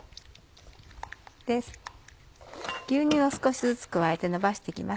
牛乳を少しずつ加えてのばして行きます。